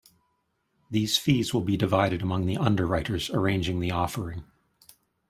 These fees will be divided among the underwriters arranging the offering.